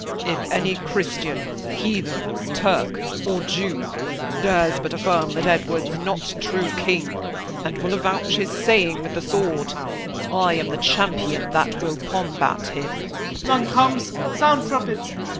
Cham. If any Christian, Heathen, Turk, or Jew, Dares but affirm that Edward's not true king, And will avouch his saying with the sword, I am the Champion that will combat him. Y. Mor. None comes: sound, trumpets!